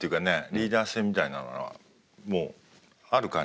リーダー性みたいなのはもうある感じがしましたね。